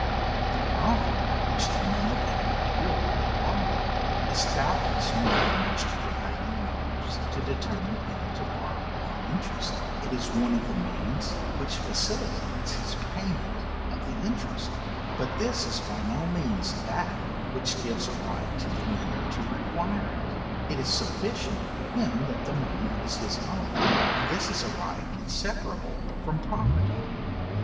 The profit which money can procure the borrower, is doubtless one of the most prevailing motives to determine him to borrow on interest; it is one of the means which facilitates his payment of the interest, but this is by no means that which gives a right to the lender to require it; it is sufficient for him that his money is his own, and this is a right inseparable from property.